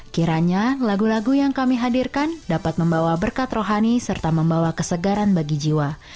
kiranya lagu lagu yang kami hadirkan dapat membawa berkat rohani serta membawa kesegaran bagi jiwa